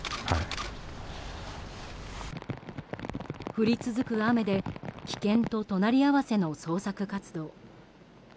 降り続く雨で危険と隣り合わせの捜索活動。